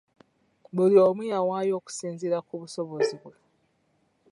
Buli omu yawaayo okusinziira ku busobozi bwe.